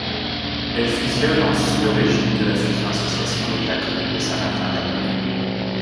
Elle fusionne en sous le régime de la fusion-association avec la commune de Saint-Martin-Valmeroux.